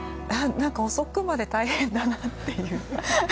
遅くまで大変だなっていう。